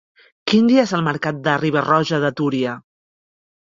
Quin dia és el mercat de Riba-roja de Túria?